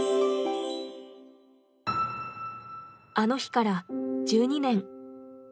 あの日から１２年。